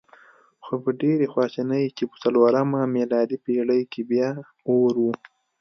خو په ډېرې خواشینۍ چې په څلورمه میلادي پېړۍ کې بیا اور و.